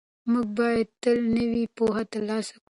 موږ باید تل نوې پوهه ترلاسه کړو.